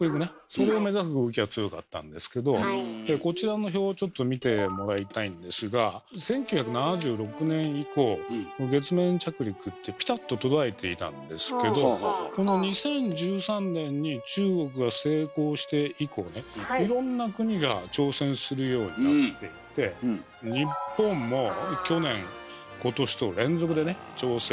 それを目指す動きが強かったんですけどでこちらの表をちょっと見てもらいたいんですが１９７６年以降月面着陸ってピタッと途絶えていたんですけどこの２０１３年に中国が成功して以降ねいろんな国が挑戦するようになっていって日本も去年今年と連続でね挑戦してるんですよね。